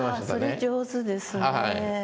それ上手ですね。